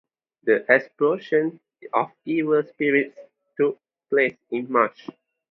The expulsion of evil spirits took place in March.